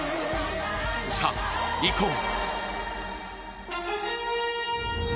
さあ、いこう。